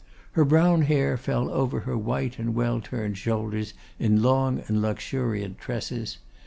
Her brown hair fell over her white and well turned shoulders in long and luxuriant tresses.